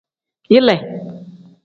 Yile.